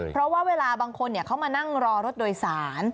เพราะว่าเวลาบางคนเขามานั่งรอรถโดยสาร